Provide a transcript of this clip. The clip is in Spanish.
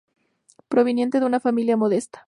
Proveniente de una familia modesta.